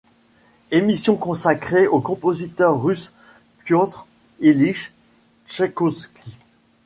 Émission consacrée au compositeur russe Piotr Ilitch Tchaïkovski.